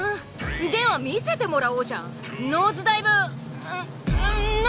では見せてもらおうじゃんノーズダイブんん何ちゃらを！